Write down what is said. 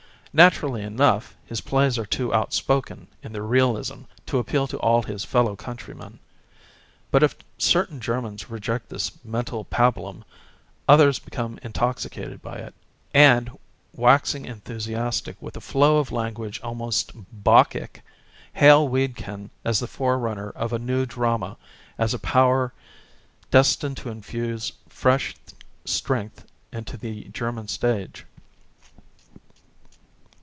Naturally enough his plays are too outspoken in their realism to appeal to all his fellow countrymen. But if certain Germans reject this mental pabulum, others become intoxicated by it, and, waxing enthusiastic with a flow of language almost bacchic, hail Wedekind as the forerunner of a new drama â€" as a power destined to infuse fresh strength into the German stage.